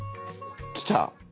来た！